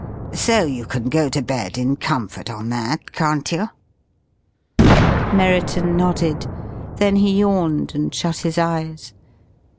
So you can go to bed in comfort on that, can't you?" Merriton nodded. Then he yawned and shut his eyes.